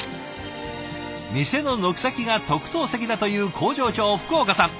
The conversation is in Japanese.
店の軒先が特等席だという工場長福岡さん。